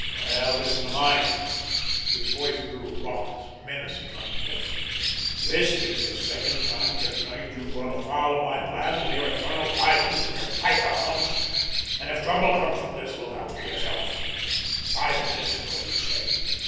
Well, listen to mine!" His voice grew raucous, menacing, unpleasant. "This is the second time to night you've run foul of my plans with your infernal diamonds and your piker hunts, and if trouble comes from this, look out for yourself! Five minutes ago, you said.